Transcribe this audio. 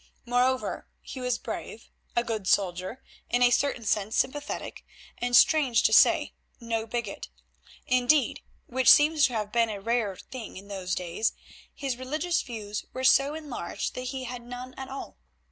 Moreover, he was brave, a good soldier; in a certain sense sympathetic, and, strange to say, no bigot. Indeed, which seems to have been a rare thing in those days, his religious views were so enlarged that he had none at all.